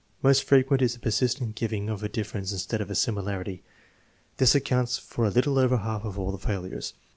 Most frequent is the persistent giving of a dif ference instead of a similarity. This accounts for a little over half of all the failures.